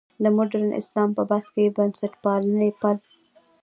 د مډرن اسلام په بحث کې د بنسټپالنې پل.